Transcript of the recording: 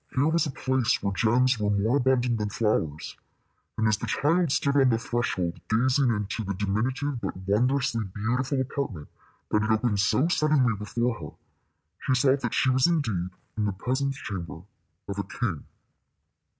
Here was a place where gems were more abundant than flowers; and as the child stood on the threshold gazing into the diminutive but wondrously beautiful apartment that had opened so suddenly before her, she saw that she was indeed in the presence chamber of a king.